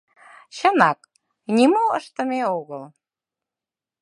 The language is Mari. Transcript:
Чынак, нимо ыштыме огыл.